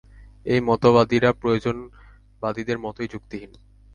এই মতবাদীরা প্রয়োজনবাদীদের মতই যুক্তিহীন।